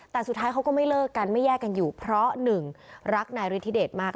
แต่สุดท้ายเขาก็ไม่เลิกกันไม่แยกกันอยู่เพราะหนึ่งรักนายฤทธิเดชมาก